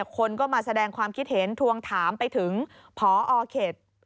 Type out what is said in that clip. คนก็มาแสดงความคิดเห็นทวงถามไปถึงพอเขต